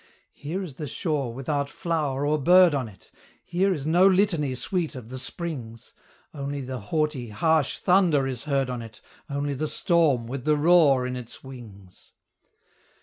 Here is the shore without flower or bird on it; Here is no litany sweet of the springs Only the haughty, harsh thunder is heard on it, Only the storm, with the roar in its wings!